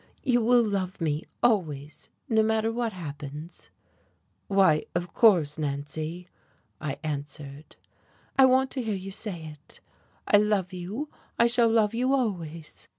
"You will love me, always no matter what happens?" "Why, of course, Nancy," I answered. "I want to hear you say it, 'I love you, I shall love you always.'"